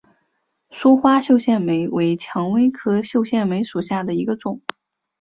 疏花绣线梅为蔷薇科绣线梅属下的一个种。